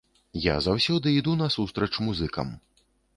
Я заўсёды іду насустрач музыкам.